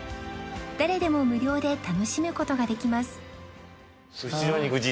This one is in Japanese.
誰でも無料で楽しむ事ができます